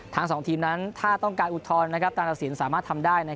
ทั้งสองทีมนั้นถ้าต้องการอุทธรณ์ตาลสินสามารถทำได้